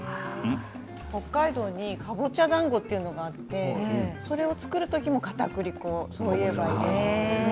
北海道にかぼちゃだんごというのがあってそれを作るときにもそういえばかたくり粉を入れます。